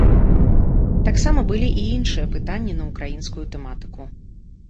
Таксама былі і іншыя пытанні на ўкраінскую тэматыку.